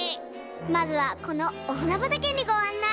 まずはこのおはなばたけにごあんない！